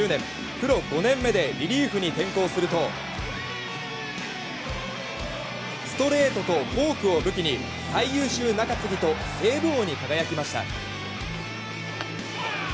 プロ５年目でリリーフに転向するとストレートとフォークを武器に最優秀中継ぎとセーブ王に輝きました。